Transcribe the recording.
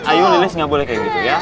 ayo lilis gak boleh kayak gitu ya